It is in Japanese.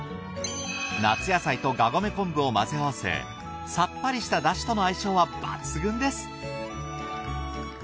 夏野菜とがごめ昆布を混ぜ合わせさっぱりしただしとの相性は抜群です！